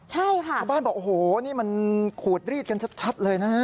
ใช่ค่ะชาวบ้านบอกโอ้โหนี่มันขูดรีดกันชัดเลยนะ